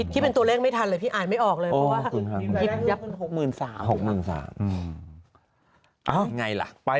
คิดเป็นตัวเลขไม่ทันเลยพี่อายไม่ออกเลย